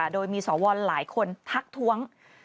โดยมีสวหลายคนทักท้วง